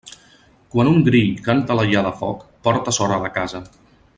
Quan un grill canta a la llar de foc, porta sort a la casa.